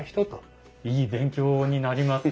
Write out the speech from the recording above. いい勉強になります。